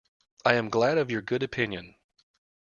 I am glad of your good opinion.